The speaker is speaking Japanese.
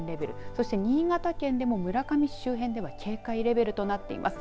そして新潟県でも村上市周辺では警戒レベルとなっています。